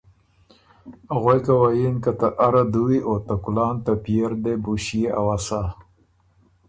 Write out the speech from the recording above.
غوېکه وه یِن که ” ته اره دُوي، او ته کلان ته پئے ر دې بُو ݭيې اؤسا۔